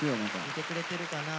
見てくれてるかな？